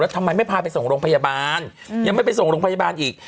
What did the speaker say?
ทำไมไม่พาไปส่งโรงพยาบาลยังไม่ไปส่งโรงพยาบาลอีก